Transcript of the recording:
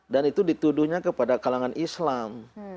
dan itu dituduhnya kepada kalangan islam